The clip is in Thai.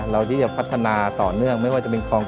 เราจะพัฒนาต่อเนื่อง